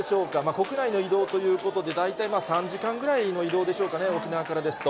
国内の移動ということで、大体、３時間ぐらいの移動でしょうかね、沖縄からですと。